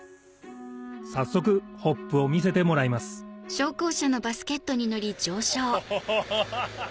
早速ホップを見せてもらいますホホホ！